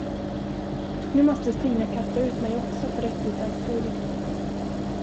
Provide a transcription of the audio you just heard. Nu måste Stina kasta ut mig också för rättvisans skull.